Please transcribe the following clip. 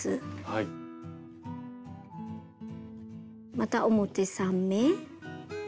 また表３目。